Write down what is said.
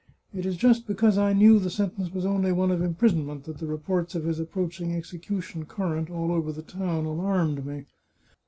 " It is just because I knew the sentence was only one of imprisonment that the reports of his approaching execution current all over the town alarmed me.